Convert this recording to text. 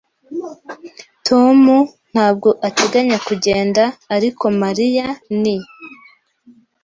Tom ntabwo ateganya kugenda, ariko Mariya ni.